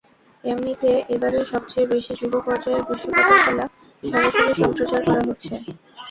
এমনিতে এবারই সবচেয়ে বেশি যুব পর্যায়ের বিশ্বকাপের খেলা সরাসরি সম্প্রচার করা হচ্ছে।